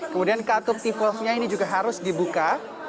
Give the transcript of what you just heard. kemudian kartuk t volv nya ini juga harus dibuka